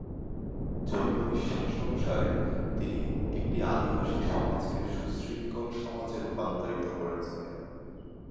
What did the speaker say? জৈন বিশ্বাস অনুসারে, তিনি একটি আদিবাসী সমাজকে সুশৃঙ্খল সমাজে রূপান্তরিত করেছিলেন।